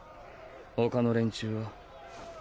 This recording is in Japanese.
他の連中は？